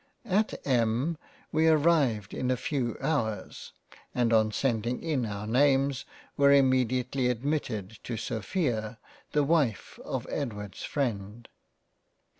At M . we arrived in a few hours ; and on sending in our names were immediately admitted to Sophia, the Wife of Edward's freind.